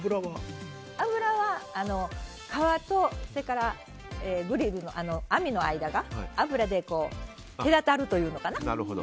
油は、皮とそれからグリルの網の間が脂で隔たるというのかな